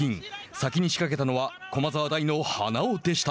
先にし掛けたのは駒沢大の花尾でした。